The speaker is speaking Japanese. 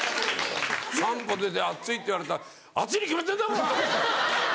３歩出て「暑い」って言われたら「暑いに決まってるだろ！」。